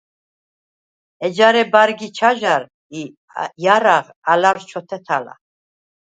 ეჯარე ბა̈რგ ი ჩაჟა̈რ ი ჲარა̈ღ ალა̈რს ჩოთჷთალახ.